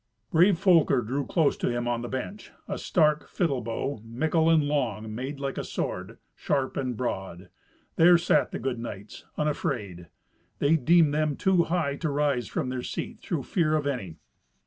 Brave Folker drew closer to him on the bench a stark fiddle bow, mickle and long, made like a sword, sharp and broad. There sat the good knights unafraid. They deemed them too high to rise from their seat through fear of any.